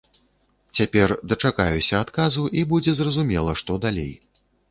Цяпер дачакаюся адказу, і будзе зразумела, што далей.